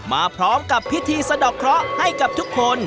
มาพร้อมกับพิธีสะดอกเคราะห์ให้กับทุกคน